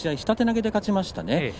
下手投げで勝ちましたね。